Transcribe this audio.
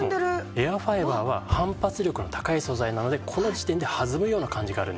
エアファイバーは反発力の高い素材なのでこの時点で弾むような感じがあるんですが。